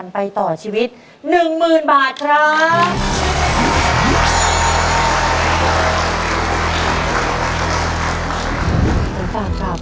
วันไปต่อชีวิตหนึ่งหมื่นบาทครับ